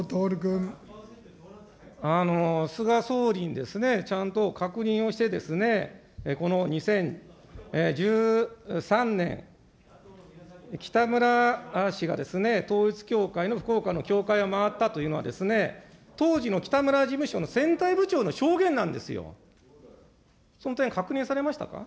菅総理にですね、ちゃんと確認をしてですね、この２０１３年、北村氏がですね、統一教会の福岡の教会を回ったというのは、当時の北村事務所の選対部長の証言なんですよ。